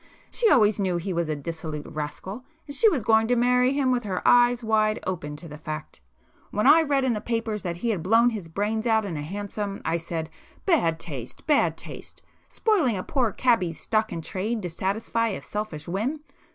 She always knew he was a dissolute rascal, and she was going to marry him with her eyes wide open to the fact. When I read in the papers that he had blown his brains out in a hansom, I said 'Bad taste—bad taste! spoiling a poor cabby's stock in trade to satisfy a selfish whim!